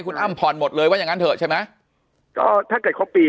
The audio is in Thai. คุณอ้ำผ่อนหมดเลยว่าอย่างงั้นเถอะใช่ไหมก็ถ้าเกิดครบปี